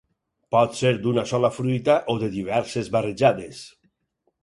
Pot ser d'una sola fruita o de diverses barrejades.